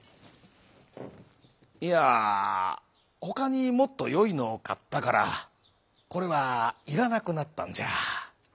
「いやほかにもっとよいのをかったからこれはいらなくなったんじゃ」。